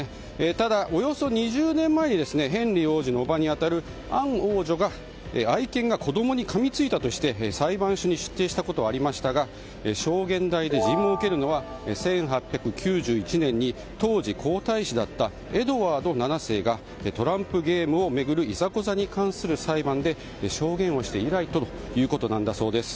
ただ、およそ２０年前にヘンリー王子のおばに当たるアン王女が愛犬が子供にかみついたとして裁判所に出廷したことはありましたが証言台で尋問を受けるのは１８９１年に当時、皇太子だったエドワード７世がトランプゲームを巡るいざこざに関する裁判で証言をして以来ということなんだそうです。